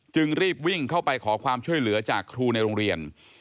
จึงรีบวิ่งเข้าไปขอความช่วยเหลือจากครูในโรงเรียน